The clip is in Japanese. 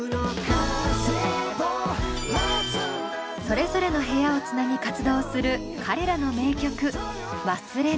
それぞれの部屋をつなぎ活動する彼らの名曲「勿忘」。